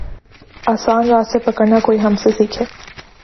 آسان راستے پکڑنا کوئی ہم سے سیکھے۔